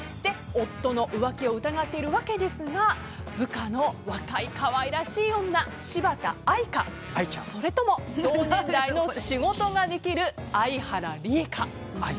夫の浮気を疑っているわけですが部下の若い可愛らしい女柴田愛衣か、それとも同年代の仕事ができる相原里恵か。